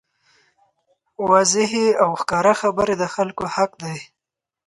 واضحې او ښکاره خبرې د خلکو حق دی.